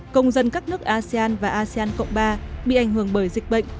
công dân các nước asean và asean cộng ba bị ảnh hưởng bởi dịch bệnh